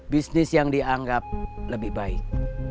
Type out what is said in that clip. bisnis yang dianggap lebih baik